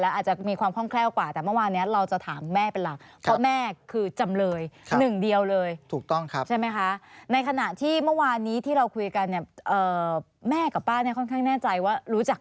แล้วอาจจะมีความคล่องแคล้วกว่า